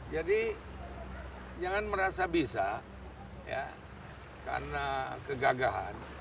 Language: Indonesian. jadi jangan merasa bisa ya karena kegagahan